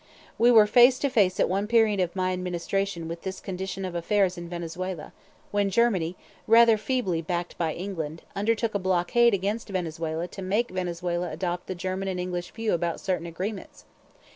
We were face to face at one period of my administration with this condition of affairs in Venezuela, when Germany, rather feebly backed by England, undertook a blockade against Venezuela to make Venezuela adopt the German and English view about certain agreements.